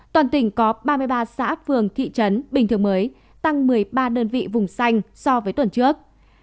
toàn tỉnh có ba mươi ba xã phường thị trấn bình thường mới tăng một mươi ba đơn vị vùng xanh so với tuần trước